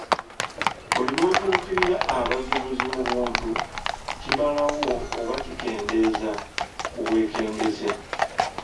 Buli lw’otuukirira abazibuzi mu buntu, kimalawo oba kikendeeza ku bwekengeze.